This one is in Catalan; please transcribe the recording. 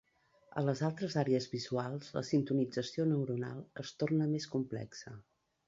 A les altres àrees visuals, la sintonització neuronal es torna més complexa.